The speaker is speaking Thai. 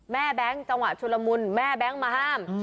แม่แบ๊งจังหวัดชุดละมุนแม่แบ๊งมาห้าม